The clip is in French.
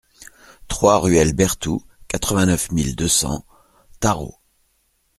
trois ruelle Berthoux, quatre-vingt-neuf mille deux cents Tharot